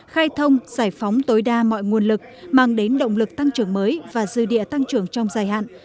khai thông giải phóng tối đa mọi nguồn lực mang đến động lực tăng trưởng mới và dư địa tăng trưởng trong dài hạn